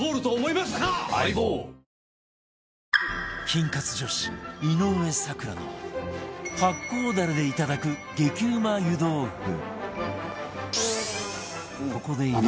菌活女子井上咲楽の発酵ダレでいただく激うま湯豆腐